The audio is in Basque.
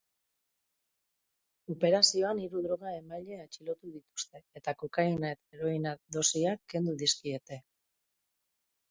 Operazioan hiru droga emaile atxilotu dituzte eta kokaina eta heroina dosiak kendu dizkiete.